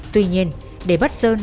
tuy nhiên để bắt sơn